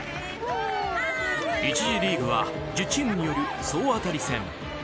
１次リーグは１０チームによる総当たり戦。